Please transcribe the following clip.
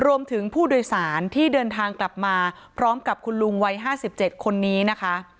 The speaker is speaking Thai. รวมถึงผู้โดยสารที่เดินทางกลับมาพร้อมกับคุณลุงวัย๕๗คนนี้นะคะ